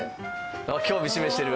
「あっ興味示してる」